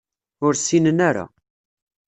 Ur ssinen ara.